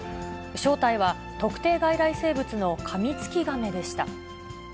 正体は、特定外来生物のカミツキガメでした。